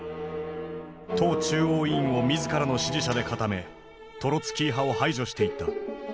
党中央委員を自らの支持者で固めトロツキー派を排除していった。